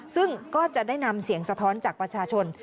ซึ่งก็จะได้นำเสียงสะท้อนจากประชาชน